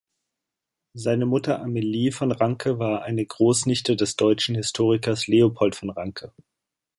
Seine Mutter Amalie von Ranke war eine Großnichte des deutschen Historikers Leopold von Ranke.